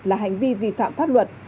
là hành vi vi phạm pháp luật